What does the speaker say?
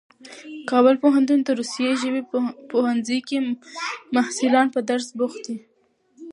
کابل پوهنتون د روسي ژبو پوهنځي کې محصلان په درس بوخت دي.